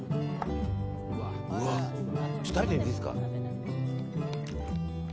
ちょっと食べてみていいですか。